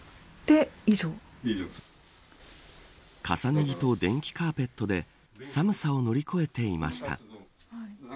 重ね着と電気カーペットで寒さを乗り越えていました。